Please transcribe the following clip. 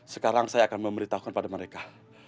sekarang saya akan memberitahukan pada mereka